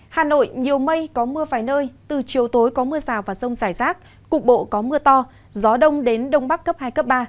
hà nội nhiều mây có mưa vài nơi từ chiều tối có mưa rào và rông rải rác cục bộ có mưa to gió đông đến đông bắc cấp hai cấp ba